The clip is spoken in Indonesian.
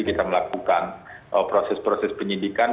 kita melakukan proses proses penyidikan